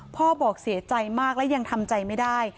บอกเสียใจมากและยังทำใจไม่ได้